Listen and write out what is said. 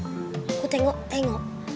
aku tengok tengok